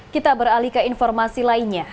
kita beralih ke informasi lainnya